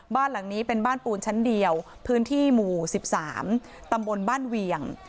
บ้านหลังนี้เป็นบ้านปูนชั้นเดียวพื้นที่หมู่๑๓ตำบลบ้านเวียง